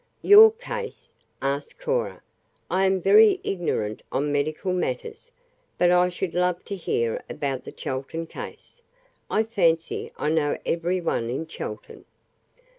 "Your case?" asked Cora. "I am very ignorant on medical matters, but I should love to hear about the Chelton case. I fancy I know every one in Chelton."